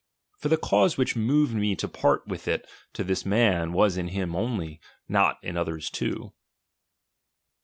For the cause which moved me to part with it to this man, was in him only, not in others too.